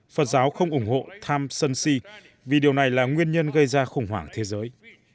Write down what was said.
phật giáo không ủng hộ tham sân si vì điều này là nguyên nhân gây ra khủng hoảng thế giới